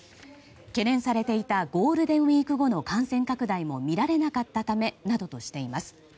懸念されていたゴールデンウィーク後の感染拡大も見られなかったためなどとしています。